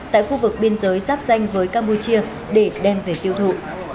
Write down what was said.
tại khu vực biên giới giáp danh với campuchia để đem về tiêu thụ